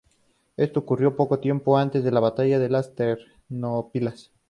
Esto ocurrió poco tiempo antes de la batalla de las Termópilas.